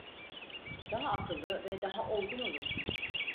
Daha akıllı ve daha olgun olursun.